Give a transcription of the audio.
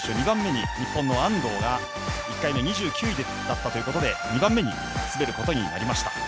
２番目に日本の安藤が１回目２９位だったということで２番目に滑ることになりました。